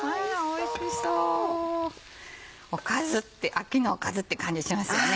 秋のおかずって感じしますよね。